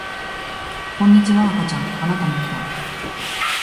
こんにちは赤ちゃんあなたの笑顔